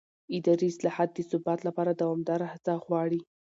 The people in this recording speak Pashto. اداري اصلاحات د ثبات لپاره دوامداره هڅه غواړي